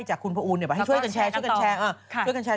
จากคุณผู้อุ้นมาให้ช่วยกันแชร์